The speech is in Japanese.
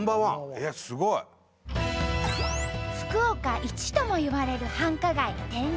えっすごい！福岡一ともいわれる繁華街天神。